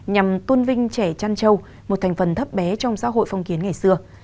nhằm tuân vinh trẻ chăn châu một thành phần thấp bé trong xã hội phong kiến ngày xưa